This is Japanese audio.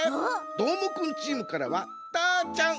どーもくんチームからはたーちゃんさんかしてや！